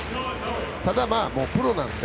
ただ、プロなので。